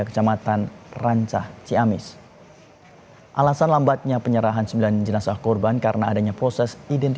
diduga disebabkan pengemudi yang kelelahan hingga mengakibatkan mikroslip